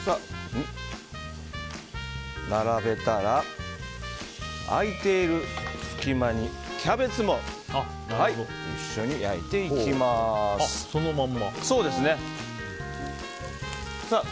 並べたら空いている隙間にキャベツもそのまんま。